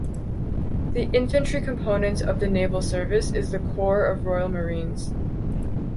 The infantry component of the Naval Service is the Corps of Royal Marines.